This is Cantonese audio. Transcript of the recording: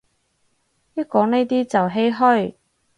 一講呢啲就唏噓